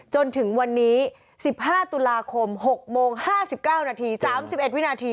จนถึงวันนี้๑๕ตุลาคม๖โมง๕๙นาที๓๑วินาที